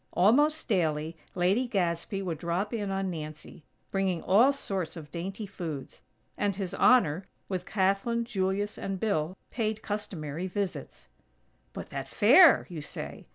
Almost daily Lady Gadsby would drop in on Nancy, bringing all sorts of dainty foods; and His Honor, with Kathlyn, Julius and Bill, paid customary visits. "But that fair!" you say.